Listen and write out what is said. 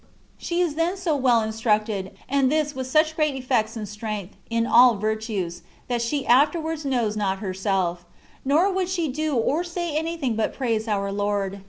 She is then so well instructed^ and this with such great efiPects and strength^ in all virtues^ that she afterwards knows not herself; nor would she do or say anything hut praise our Lord.